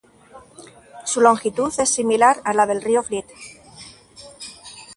Su longitud es similar a la del río Fleet.